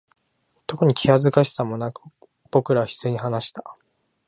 特に気恥ずかしさもなく、僕らは自然に話した。